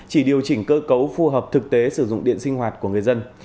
chỉ điều chỉnh cơ cấu phù hợp thực tế sử dụng điện sinh hoạt của người dân